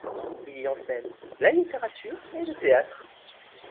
Il y enseigne la littérature et le théâtre.